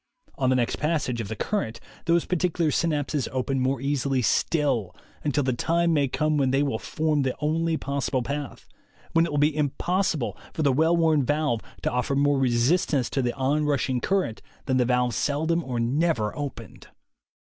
On the next passage of the current those particular synapses open more easily still, until the time may come when they will form the only pos sible path, when it will be impossible for the well worn valve to offer more resistance to the on rush ing current than the valve seldom or never opened.